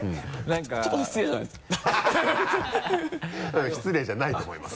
うん失礼じゃないと思います。